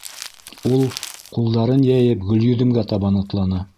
— Ул ҡулдарын йәйеп Гөлйөҙөмгә табан атланы.